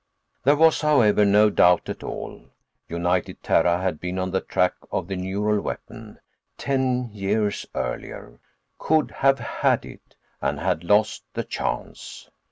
There was, however, no doubt at all: United Terra had been on the track of the neural weapon—ten years earlier. Could have had it—and had lost the chance.